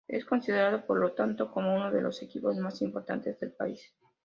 Es considerado por lo tanto como uno de los equipos más importantes del país.